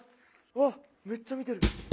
うわめっちゃ見てる。